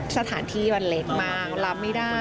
สถานที่มันเล็กมากรับไม่ได้